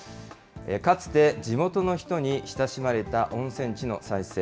かつて地元の人に親しまれた温泉地の再生。